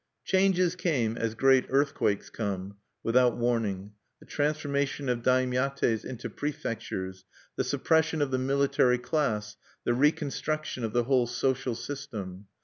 IV Changes came as great earthquakes come, without warning: the transformation of daimyates into prefectures, the suppression of the military class, the reconstruction of the whole social system.